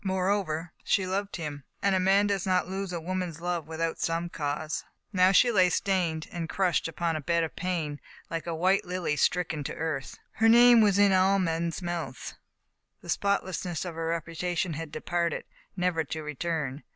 Moreover, she loved him, and a man does not lose a woman's love without some cause. Now she lay stained and crushed upon a bed of pain, like a white lily stricken to earth. 154 Digitized by Google MRS. EDWARD KENNARD. ISS Her name was in all men's mouths. The spot lessness of her reputation had departed, never to return.